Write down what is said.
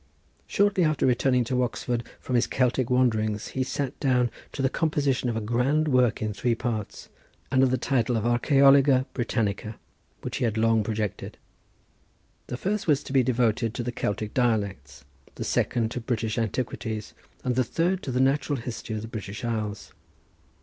Shortly after returning to Oxford from his Celtic wanderings he sat down to the composition of a grand work in three parts, under the title of Archæologia Britannica, which he had long projected. The first was to be devoted to the Celtic dialects; the second to British Antiquities, and the third to the natural history of the British Isles.